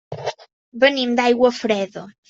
Venim d'Aiguafreda.